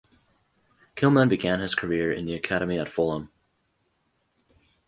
Kilman began his career in the academy at Fulham.